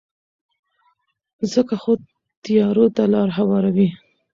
ځکه خو تیارو ته لارې هواروي.